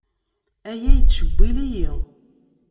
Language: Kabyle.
Aya yettcewwil-iyi.